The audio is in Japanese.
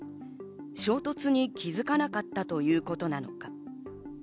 衝突に気づかなかったということなのか。